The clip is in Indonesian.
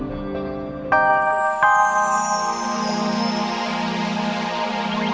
kamu gak punya pilihan